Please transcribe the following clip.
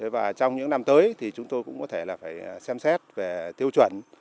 và trong những năm tới thì chúng tôi cũng có thể là phải xem xét về tiêu chuẩn